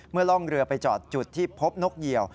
ล่องเรือไปจอดจุดที่พบนกเหยียว